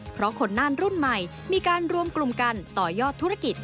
เพราะคนน่านรุ่นใหม่มีการรวมกลุ่มกันต่อยอดธุรกิจ